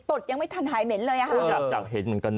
ตดยังไม่ทันหายเหม็นเลยอะฮะ